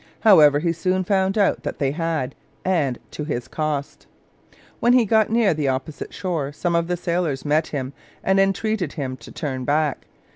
However, he soon found out that they had, and to his cost. When he got near the opposite shore some of the sailors met him and entreated him to turn back.